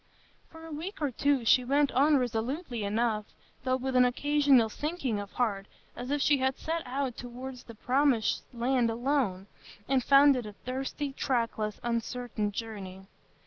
For a week or two she went on resolutely enough, though with an occasional sinking of heart, as if she had set out toward the Promised Land alone, and found it a thirsty, trackless, uncertain journey.